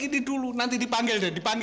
ada apa pak